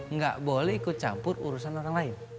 nggak boleh ikut campur urusan orang lain